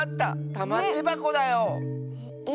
たまてばこだよ。え？